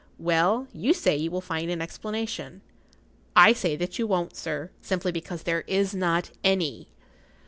Well, you say you will find an explanation. I say that you won't, sir, simply because there is not any."